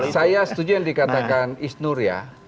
saya setuju yang dikatakan is nur ya